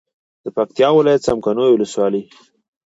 د پکتیا ولایت څمکنیو ولسوالي